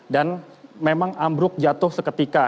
dan memang ambruk jatuh seketika